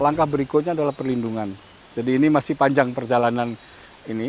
langkah berikutnya adalah perlindungan jadi ini masih panjang perjalanan ini